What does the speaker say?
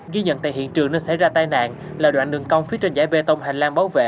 ghi nhận tại hiện trường nên xảy ra tai nạn là đoạn đường công phía trên giải bê tông hành lang bảo vệ